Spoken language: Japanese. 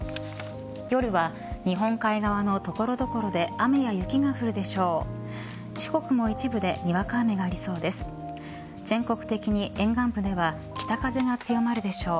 夜は日本海側の所々で雨や雪が降るでしょう。